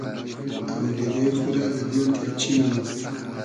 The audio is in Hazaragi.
آودیدې خو رۂ دۂ دیل تېبچی مونوم